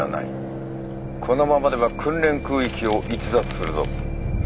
このままでは訓練空域を逸脱するぞ。